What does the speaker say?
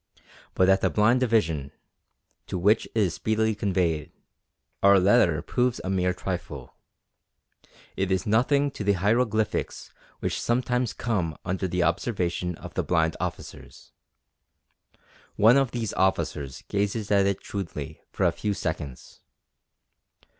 But at the Blind Division, to which it is speedily conveyed, our letter proves a mere trifle. It is nothing to the hieroglyphics which sometimes come under the observation of the blind officers. One of these officers gazes at it shrewdly for a few seconds.